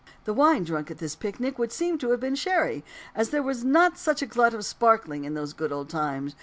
The wine drunk at this picnic would seem to have been sherry; as there was not such a glut of "the sparkling" in those good old times.